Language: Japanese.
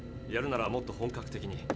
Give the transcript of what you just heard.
やるならもっと本格的に。